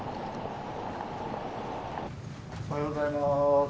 おはようございます。